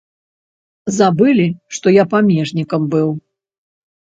Забылі, што я памежнікам быў!